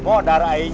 oh darah eh